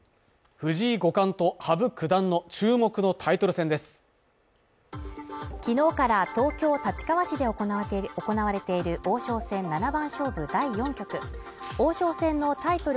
藤井五冠と羽生九段の注目のタイトル戦です昨日から東京・立川市で行われている王将戦七番勝負第４局王将戦のタイトル